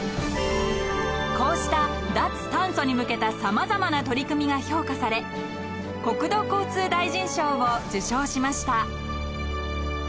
［こうした脱炭素に向けた様々な取り組みが評価され国土交通大臣賞を受賞しました］